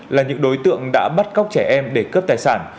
là những đối tượng đã bắt cóc trẻ em để cướp tài sản